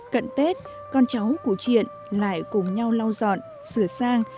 cần tết con cháu cụ triện lại cùng nhau lau dọn sửa sang